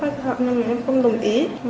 hát cho họ nhưng em không đồng ý